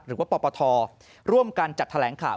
หรือว่าปปทร่วมกันจัดแถลงข่าว